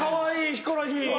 「ヒコロヒー！おぉ！」。